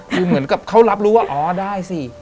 คือเหมือนกับเขารับรู้ว่าอ๋อได้สิ